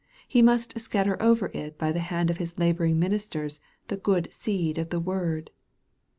He must scatter over it by the hand of his laboring minis ters the good seed of the word.